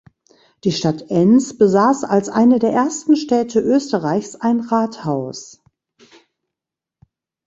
Die Stadt Enns besaß als eine der ersten Städte Österreichs ein Rathaus.